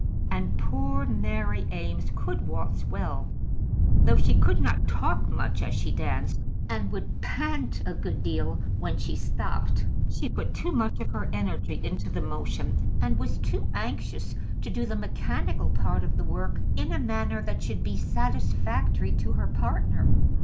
And poor Mary Eames could waltz well; though she could not talk much as she danced, and would pant a good deal when she stopped. She put too much of her energy into the motion, and was too anxious to do the mechanical part of the work in a manner that should be satisfactory to her partner.